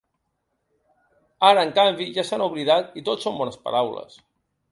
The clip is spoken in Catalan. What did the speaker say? Ara, en canvi, ja se n’ha oblidat i tot són bones paraules.